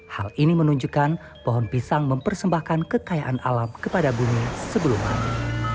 hal ini menunjukkan pohon pisang mempersembahkan kekayaan alam kepada bumi sebelum mati